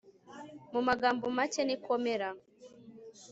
mu magambo make niko mera